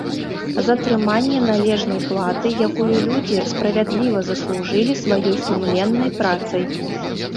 Затрыманне належнай платы, якую людзі справядліва заслужылі сваёй сумленнай працай.